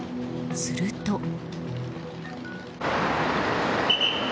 すると。